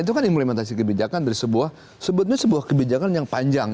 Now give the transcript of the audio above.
itu kan implementasi kebijakan dari sebuah sebetulnya sebuah kebijakan yang panjang